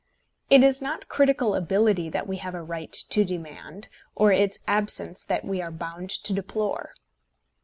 It is not critical ability that we have a right to demand, or its absence that we are bound to deplore.